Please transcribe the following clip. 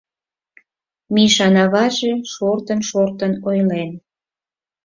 Мишан аваже шортын-шортын ойлен: